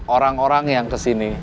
orang orang yang kesini